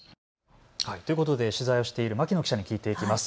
取材をしている牧野記者に聞いていきます。